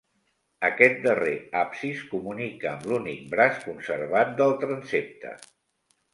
Aquest darrer absis comunica amb l'únic braç conservat del transsepte.